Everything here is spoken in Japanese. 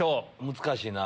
難しいな。